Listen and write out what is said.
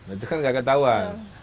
itu kan gak ketahuan